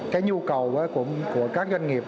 cái nhu cầu của các doanh nghiệp